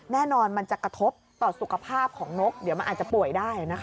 มันจะกระทบต่อสุขภาพของนกเดี๋ยวมันอาจจะป่วยได้นะคะ